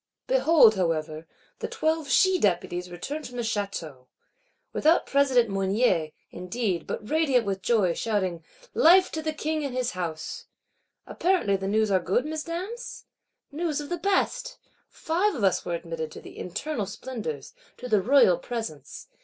Behold, however, the Twelve She deputies return from the Château. Without President Mounier, indeed; but radiant with joy, shouting 'Life to the King and his House.' Apparently the news are good, Mesdames? News of the best! Five of us were admitted to the internal splendours, to the Royal Presence.